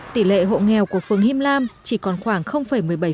tỷ lệ hộ nghèo của phương him lam chỉ còn khoảng năm